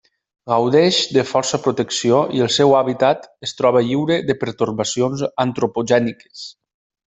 Gaudeix de força protecció i el seu hàbitat es troba lliure de pertorbacions antropogèniques.